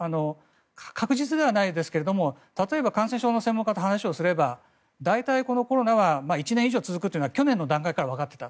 確実ではないですけれど例えば感染症の専門家と話をすれば大体、このコロナは１年以上続くというのは去年の段階からわかっていた。